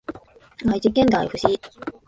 愛知県大府市